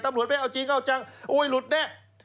ตำรวจไม่เอาจริงเอาจังอุ๊ยหลุดแน่